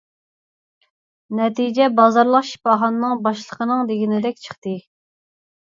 نەتىجە بازارلىق شىپاخانىنىڭ باشلىقىنىڭ دېگىنىدەك چىقتى.